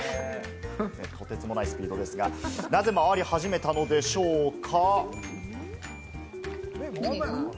とてつもないスピードですが、なぜ回り始めたのでしょうか？